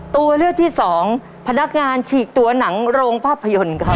ตัวเลือกที่สองพนักงานฉีกตัวหนังโรงภาพยนตร์ครับ